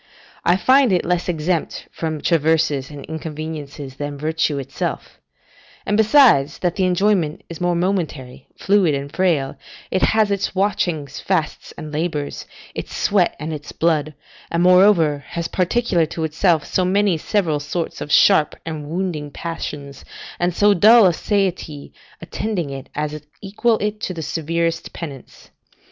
I find it less exempt from traverses and inconveniences than virtue itself; and, besides that the enjoyment is more momentary, fluid, and frail, it has its watchings, fasts, and labours, its sweat and its blood; and, moreover, has particular to itself so many several sorts of sharp and wounding passions, and so dull a satiety attending it, as equal it to the severest penance.